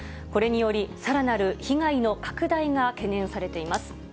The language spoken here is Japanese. これにより、さらなる被害の拡大が懸念されています。